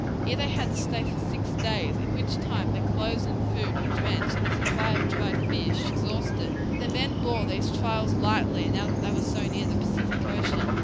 Here they had to stay for six days, in which time their clothes and food were drenched, and their supply of dried fish exhausted; but the men bore these trials lightly now that they were so near the Pacific Ocean.